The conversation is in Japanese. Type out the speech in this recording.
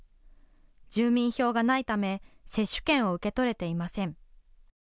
住民票がないため接種券を受け取れていません。